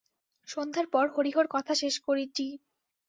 সন্ধ্যার পব হরিহর কথা শেষ করিযী।